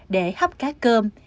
để hấp cá cơm